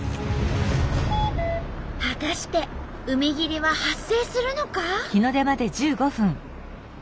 果たして海霧は発生するのか？